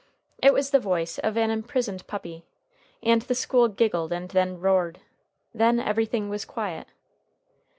It was the voice of an imprisoned puppy, and the school giggled and then roared. Then everything was quiet.